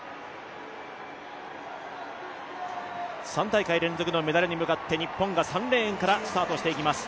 ３大会連続のメダルに向かって日本は３レーンからスタートしていきます。